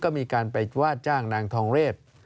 ก็มีการไปว่าจ้างนางทองเรศ